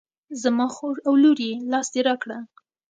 زما خور او لور یې لاس دې را کړه.